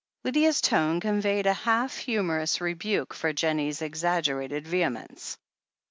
Lydia's tone conveyed a half humorous rebuke for Jennie's exaggerated vehemence.